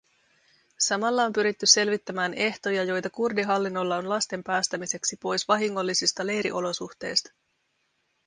Samalla on pyritty selvittämään ehtoja, joita kurdihallinnolla on lasten päästämiseksi pois vahingollisista leiriolosuhteista.